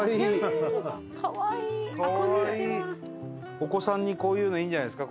お子さんにこういうのいいんじゃないですか？